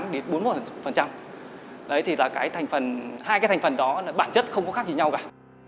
đấy thì là hai cái thành phần đó bản chất không có khác gì nhau cả